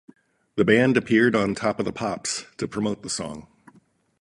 The band appeared on Top of the Pops to promote the song.